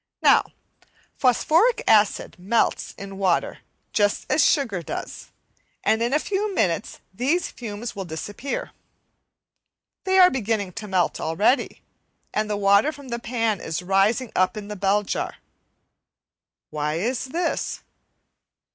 Now, phosphoric acid melts in water just as sugar does, and in a few minutes these fumes will disappear. They are beginning to melt already, and the water from the pan is rising up in the bell jar. Why is this?